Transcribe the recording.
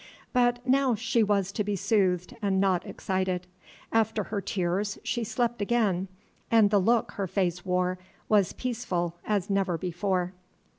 But now she was to be soothed, and not excited. After her tears she slept again, and the look her face wore was peaceful as never before.